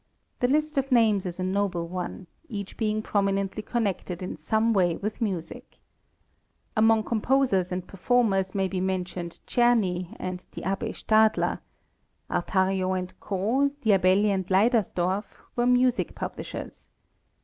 The list of names is a noble one, each being prominently connected in some way with music. Among composers and performers may be mentioned Czerny and the Abbe Stadler. Artario & Co., Diabelli and Leidersdorf, were music publishers.